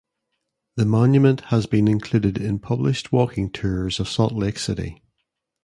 The monument has been included in published walking tours of Salt Lake City.